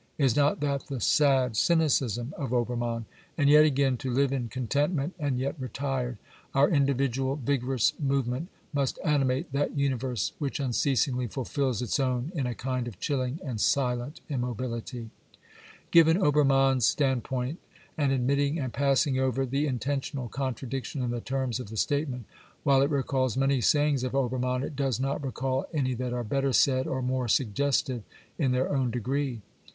Is not that the sad cynicism of Obermann ? And yet again :" To live in contentment and yet retired, our individual vigorous move ment must animate that universe which unceasingly fulfils its own in a kind of chilling and silent immobiUty." Given CRITICAL INTRODUCTION IxxvH Obermann's standpoint, and admitting and passing over the intentional contradiction in the terms of the statement, while it recalls many sayings of Obcnnann, it does not recall any that are better said or more suggestive in their own degree.